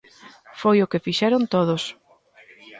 Foi o que fixeron todos.